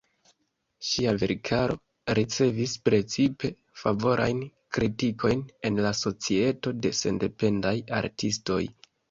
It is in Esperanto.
Ŝia verkaro ricevis precipe favorajn kritikojn en la Societo de Sendependaj Artistoj.